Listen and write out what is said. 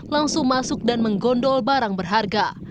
langsung masuk dan menggondol barang berharga